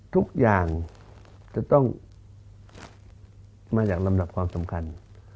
ทุกอย่างจะต้องมาจากลำดับความสำคัญ